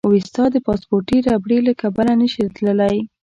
اوېستا د پاسپورتي ربړې له کبله نه شي تللی.